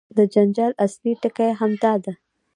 د جنجال اصلي ټکی همدا دی.